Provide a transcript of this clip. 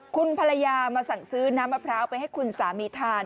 คุณภรรยามาสั่งซื้อน้ำมะพร้าวไปให้คุณสามีทาน